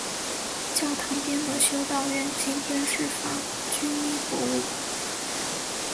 教堂边的修道院今天是法国军医博物馆。